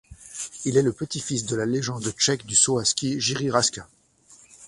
Il est le petit-fils de la légende tchèque du saut à ski Jiří Raška.